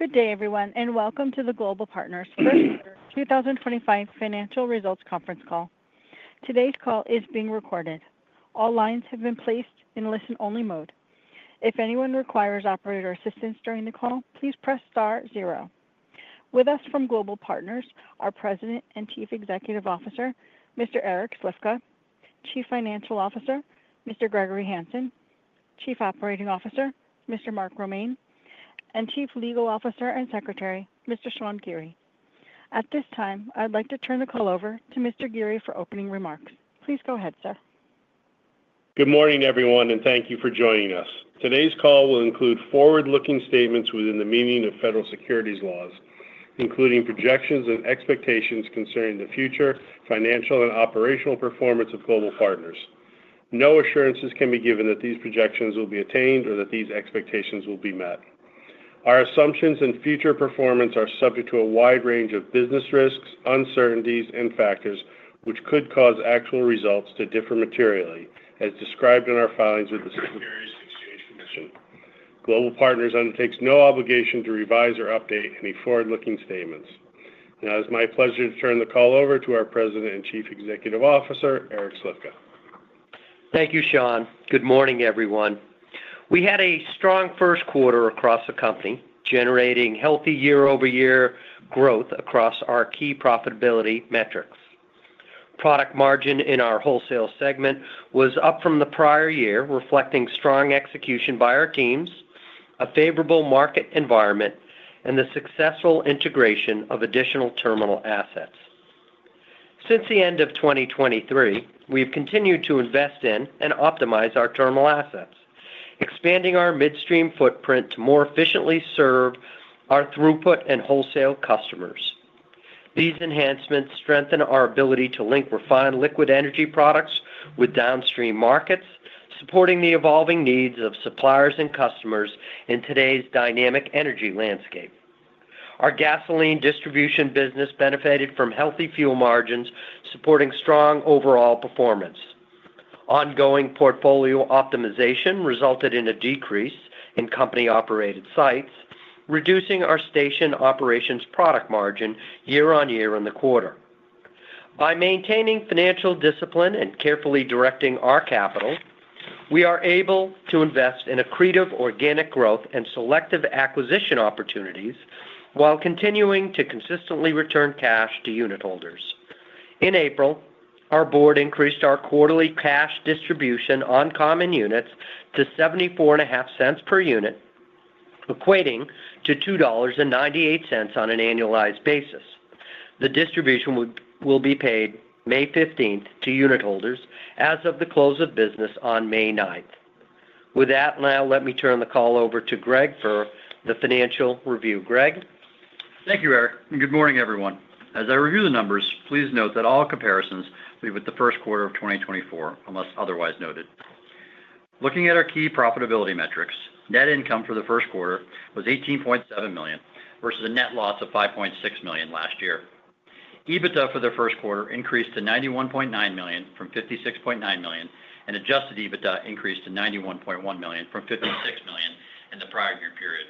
Good day, everyone, and welcome to the Global Partners Christopher Byrnes 2025 Financial Results Conference Call. Today's call is being recorded. All lines have been placed in listen-only mode. If anyone requires operator assistance during the call, please press star zero. With us from Global Partners are President and Chief Executive Officer Mr. Eric Slifka, Chief Financial Officer Mr. Gregory Hanson, Chief Operating Officer Mr. Mark Romaine, and Chief Legal Officer and Secretary Mr. Sean Geary. At this time, I'd like to turn the call over to Mr. Geary for opening remarks. Please go ahead, sir. Good morning, everyone, and thank you for joining us. Today's call will include forward-looking statements within the meaning of federal securities laws, including projections and expectations concerning the future financial and operational performance of Global Partners. No assurances can be given that these projections will be attained or that these expectations will be met. Our assumptions and future performance are subject to a wide range of business risks, uncertainties, and factors which could cause actual results to differ materially, as described in our filings with the Securities and Exchange Commission. Global Partners undertakes no obligation to revise or update any forward-looking statements. Now, it is my pleasure to turn the call over to our President and Chief Executive Officer Eric Slifka. Thank you, Sean. Good morning, everyone. We had a strong first quarter across the company, generating healthy year-over-year growth across our key profitability metrics. Product margin in our wholesale segment was up from the prior year, reflecting strong execution by our teams, a favorable market environment, and the successful integration of additional terminal assets. Since the end of 2023, we've continued to invest in and optimize our terminal assets, expanding our midstream footprint to more efficiently serve our throughput and wholesale customers. These enhancements strengthen our ability to link refined liquid energy products with downstream markets, supporting the evolving needs of suppliers and customers in today's dynamic energy landscape. Our gasoline distribution business benefited from healthy fuel margins, supporting strong overall performance. Ongoing portfolio optimization resulted in a decrease in company-operated sites, reducing our station operations product margin year-on-year in the quarter. By maintaining financial discipline and carefully directing our capital, we are able to invest in accretive organic growth and selective acquisition opportunities while continuing to consistently return cash to unit holders. In April, our board increased our quarterly cash distribution on common units to $0.745 per unit, equating to $2.98 on an annualized basis. The distribution will be paid May 15th to unit holders as of the close of business on May 9th. With that, now let me turn the call over to Greg for the financial review. Greg? Thank you, Eric. Good morning, everyone. As I review the numbers, please note that all comparisons will be with the first quarter of 2024 unless otherwise noted. Looking at our key profitability metrics, net income for the first quarter was $18.7 million versus a net loss of $5.6 million last year. EBITDA for the first quarter increased to $91.9 million from $56.9 million, and adjusted EBITDA increased to $91.1 million from $56 million in the prior year period.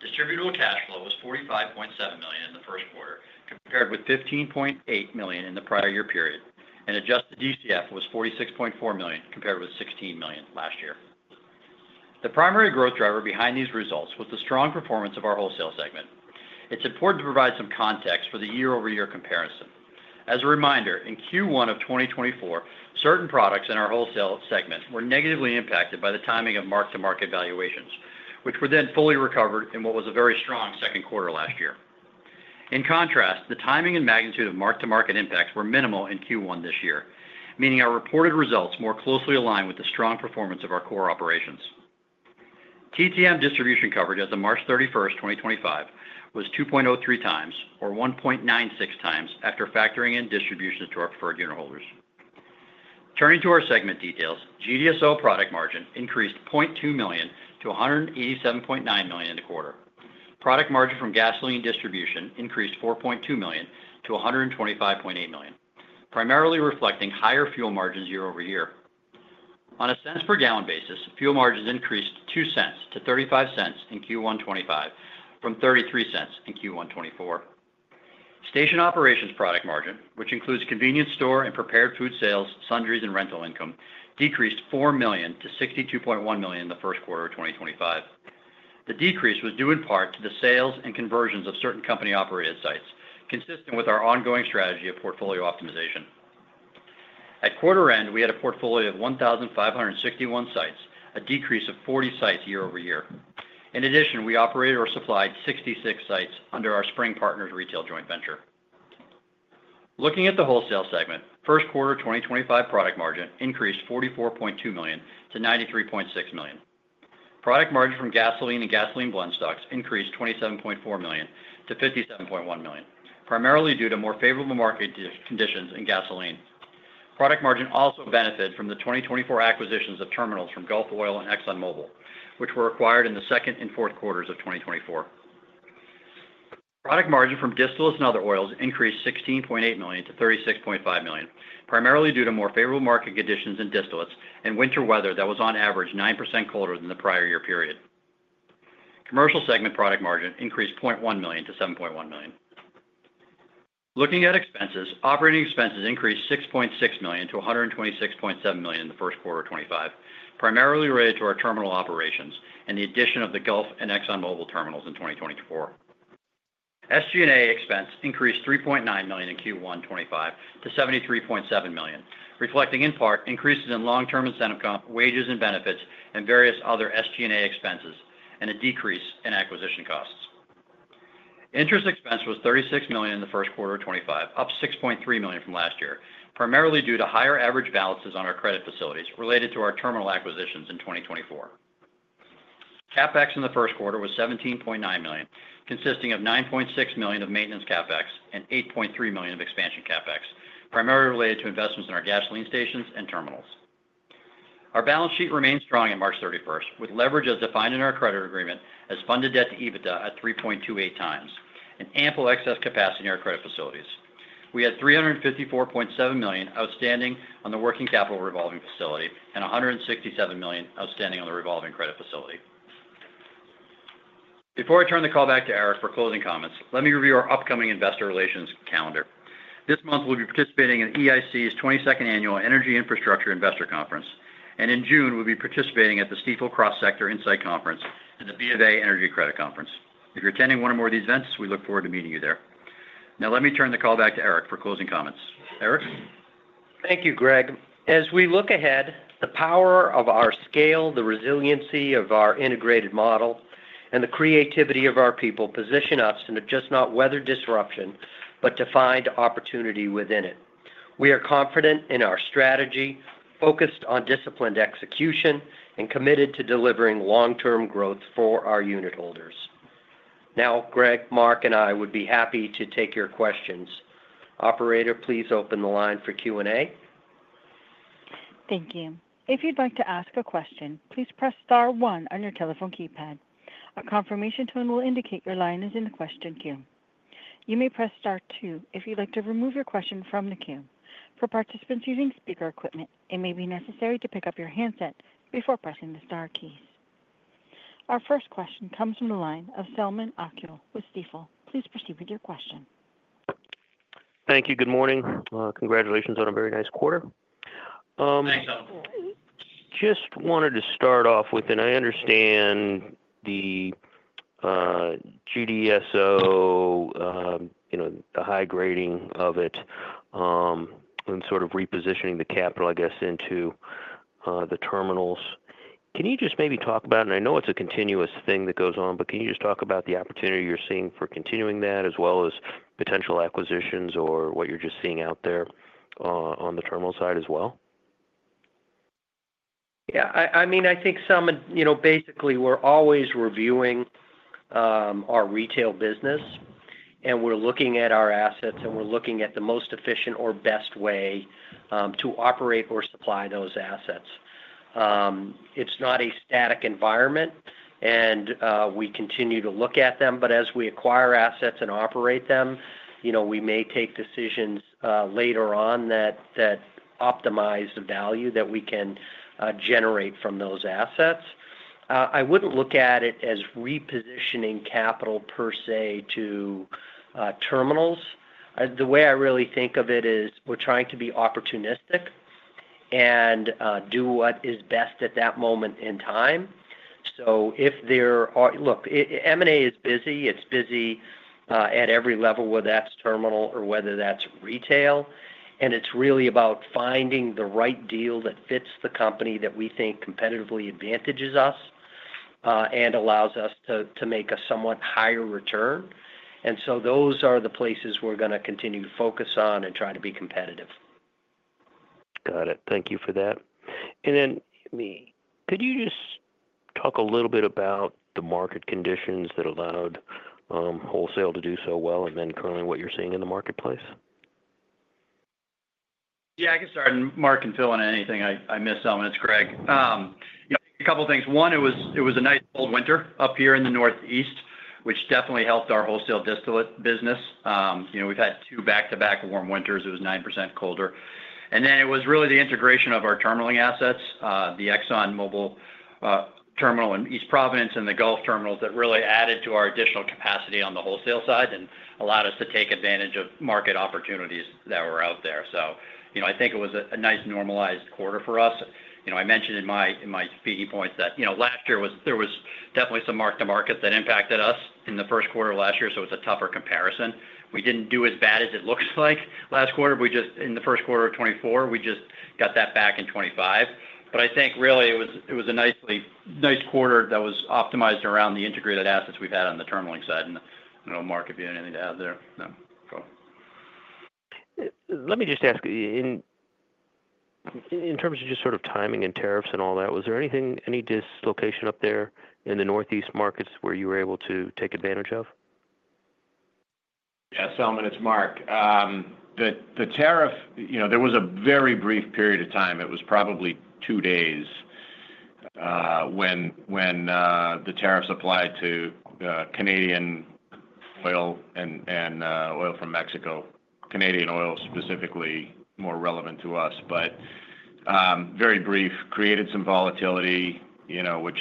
Distributable cash flow was $45.7 million in the first quarter, compared with $15.8 million in the prior year period, and adjusted DCF was $46.4 million compared with $16 million last year. The primary growth driver behind these results was the strong performance of our wholesale segment. It's important to provide some context for the year-over-year comparison. As a reminder, in Q1 of 2024, certain products in our wholesale segment were negatively impacted by the timing of mark-to-market valuations, which were then fully recovered in what was a very strong second quarter last year. In contrast, the timing and magnitude of mark-to-market impacts were minimal in Q1 this year, meaning our reported results more closely align with the strong performance of our core operations. TTM distribution coverage as of March 31, 2025, was 2.03x, or 1.96x after factoring in distribution to our preferred unit holders. Turning to our segment details, GDSO product margin increased $0.2 million to $187.9 million in the quarter. Product margin from gasoline distribution increased $4.2 million to $125.8 million, primarily reflecting higher fuel margins year-over-year. On a cents per gallon basis, fuel margins increased 2 cents to 35 cents in Q1 2025, from 33 cents in Q1 2024. Station operations product margin, which includes convenience store and prepared food sales, sundries, and rental income, decreased $4 million to $62.1 million in the first quarter of 2025. The decrease was due in part to the sales and conversions of certain company-operated sites, consistent with our ongoing strategy of portfolio optimization. At quarter end, we had a portfolio of 1,561 sites, a decrease of 40 sites year-over-year. In addition, we operated or supplied 66 sites under our Spring Partners retail joint venture. Looking at the wholesale segment, first quarter 2025 product margin increased $44.2 million to $93.6 million. Product margin from gasoline and gasoline blend stocks increased $27.4 million to $57.1 million, primarily due to more favorable market conditions in gasoline. Product margin also benefited from the 2024 acquisitions of terminals from Gulf Oil and ExxonMobil, which were acquired in the second and fourth quarters of 2024. Product margin from distillates and other oils increased $16.8 million to $36.5 million, primarily due to more favorable market conditions in distillates and winter weather that was on average 9% colder than the prior year period. Commercial segment product margin increased $0.1 million to $7.1 million. Looking at expenses, operating expenses increased $6.6 million to $126.7 million in the first quarter of 2025, primarily related to our terminal operations and the addition of the Gulf and ExxonMobil terminals in 2024. SG&A expense increased $3.9 million in Q1 2025 to $73.7 million, reflecting in part increases in long-term incentive comp wages and benefits and various other SG&A expenses and a decrease in acquisition costs. Interest expense was $36 million in the first quarter of 2025, up $6.3 million from last year, primarily due to higher average balances on our credit facilities related to our terminal acquisitions in 2024. Capex in the first quarter was $17.9 million, consisting of $9.6 million of maintenance capex and $8.3 million of expansion capex, primarily related to investments in our gasoline stations and terminals. Our balance sheet remained strong at March 31, with leverage as defined in our credit agreement as funded debt to EBITDA at 3.28x, and ample excess capacity in our credit facilities. We had $354.7 million outstanding on the working capital revolving facility and $167 million outstanding on the revolving credit facility. Before I turn the call back to Eric for closing comments, let me review our upcoming investor relations calendar. This month, we'll be participating in EIC's 22nd annual Energy Infrastructure Investor Conference, and in June, we'll be participating at the Stifel Cross Sector Insight Conference and the Bank of America Energy Credit Conference. If you're attending one or more of these events, we look forward to meeting you there. Now, let me turn the call back to Eric for closing comments. Eric? Thank you, Greg. As we look ahead, the power of our scale, the resiliency of our integrated model, and the creativity of our people position us to not just weather disruption, but to find opportunity within it. We are confident in our strategy, focused on disciplined execution, and committed to delivering long-term growth for our unit holders. Now, Greg, Mark, and I would be happy to take your questions. Operator, please open the line for Q&A. Thank you. If you'd like to ask a question, please press star one on your telephone keypad. A confirmation tone will indicate your line is in the question queue. You may press star two if you'd like to remove your question from the queue. For participants using speaker equipment, it may be necessary to pick up your handset before pressing the star keys. Our first question comes from the line of Selman Akyol with Stifel. Please proceed with your question. Thank you. Good morning. Congratulations on a very nice quarter. Thanks, Selman. Just wanted to start off with, and I understand the GDSO, the high grading of it, and sort of repositioning the capital, I guess, into the terminals. Can you just maybe talk about, and I know it's a continuous thing that goes on, but can you just talk about the opportunity you're seeing for continuing that, as well as potential acquisitions or what you're just seeing out there on the terminal side as well? Yeah. I mean, I think basically we're always reviewing our retail business, and we're looking at our assets, and we're looking at the most efficient or best way to operate or supply those assets. It's not a static environment, and we continue to look at them. As we acquire assets and operate them, we may take decisions later on that optimize the value that we can generate from those assets. I wouldn't look at it as repositioning capital per se to terminals. The way I really think of it is we're trying to be opportunistic and do what is best at that moment in time. If there are—look, M&A is busy. It's busy at every level, whether that's terminal or whether that's retail. It is really about finding the right deal that fits the company that we think competitively advantages us and allows us to make a somewhat higher return. Those are the places we are going to continue to focus on and try to be competitive. Got it. Thank you for that. Could you just talk a little bit about the market conditions that allowed wholesale to do so well, and then currently what you're seeing in the marketplace? Yeah. I can start, and Mark can fill in anything I miss, Selman. It's Greg. A couple of things. One, it was a nice cold winter up here in the Northeast, which definitely helped our wholesale distillate business. We've had two back-to-back warm winters. It was 9% colder. It was really the integration of our terminaling assets, the Exxon Mobil terminal in East Providence and the Gulf terminals that really added to our additional capacity on the wholesale side and allowed us to take advantage of market opportunities that were out there. I think it was a nice normalized quarter for us. I mentioned in my speaking points that last year there was definitely some mark-to-market that impacted us in the first quarter of last year, so it's a tougher comparison. We didn't do as bad as it looks like last quarter. In the first quarter of 2024, we just got that back in 2025. I think really it was a nice quarter that was optimized around the integrated assets we've had on the terminaling side. Mark, if you had anything to add there, cool. Let me just ask, in terms of just sort of timing and tariffs and all that, was there any dislocation up there in the Northeast markets where you were able to take advantage of? Yeah. Selman, it's Mark. The tariff, there was a very brief period of time. It was probably two days when the tariffs applied to Canadian oil and oil from Mexico. Canadian oil specifically more relevant to us, but very brief, created some volatility, which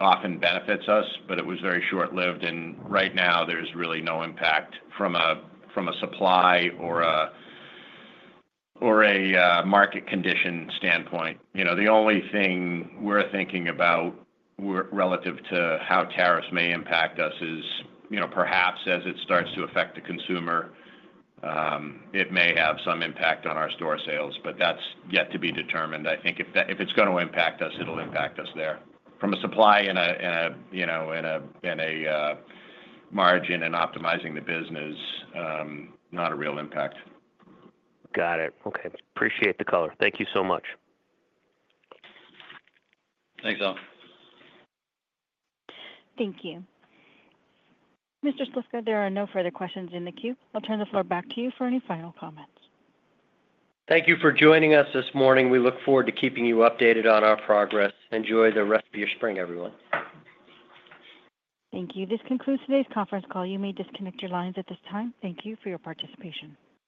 often benefits us, but it was very short-lived. Right now, there's really no impact from a supply or a market condition standpoint. The only thing we're thinking about relative to how tariffs may impact us is perhaps as it starts to affect the consumer, it may have some impact on our store sales, but that's yet to be determined. I think if it's going to impact us, it'll impact us there. From a supply and a margin and optimizing the business, not a real impact. Got it. Okay. Appreciate the color. Thank you so much. Thanks, Selman. Thank you. Mr. Slifka, there are no further questions in the queue. I'll turn the floor back to you for any final comments. Thank you for joining us this morning. We look forward to keeping you updated on our progress. Enjoy the rest of your spring, everyone. Thank you. This concludes today's conference call. You may disconnect your lines at this time. Thank you for your participation.